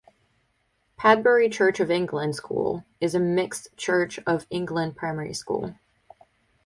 Padbury Church of England School is a mixed Church of England primary school.